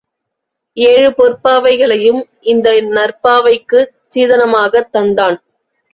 ஏழு பொற்பாவைகளையும் இந்த நற்பாவைக்குச் சீதனமாகத் தந்தான்.